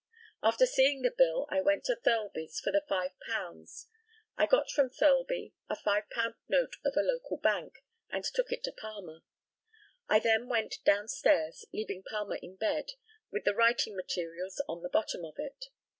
After seeing the bill, I went to Thirlby's for the £5. I got from Thirlby a £5 note of a local bank, and took it to Palmer. I then went down stairs, leaving Palmer in bed, with the writing materials on the bottom of it.